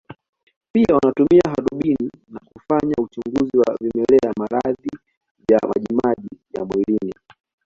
Pia wanatumia hadubini na kufanya uchunguzi wa vimelea maradhi vya majimaji ya mwilini